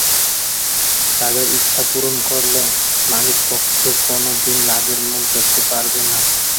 তাঁদের ইচ্ছা পূরণ করলে মালিকপক্ষ কোনো দিন লাভের মুখ দেখতে পারবে না।